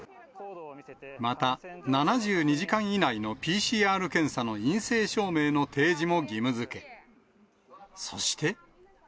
また、７２時間以内のＰＣＲ検査の陰性証明の提示も義務づけ、そして。